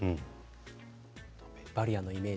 バリアーをイメージ。